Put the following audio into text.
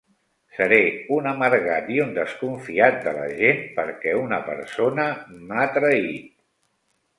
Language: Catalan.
Seré un amargat i un desconfiat de la gent perquè una persona m'ha traït.